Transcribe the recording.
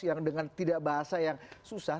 yang dengan tidak bahasa yang susah